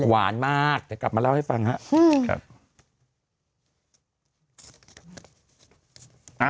หวานมากเดี๋ยวกลับมาเล่าให้ฟังครับ